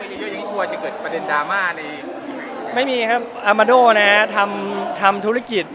อิคกรณีธุรกิจด้วยความถูกต้องร้อยเปอร์เซ็นต์แล้วก็จ่ายเงินเซ็นเช